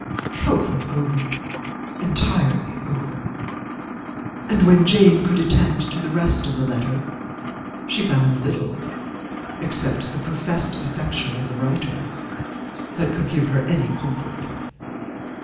Hope was over, entirely over; and when Jane could attend to the rest of the letter, she found little, except the professed affection of the writer, that could give her any comfort.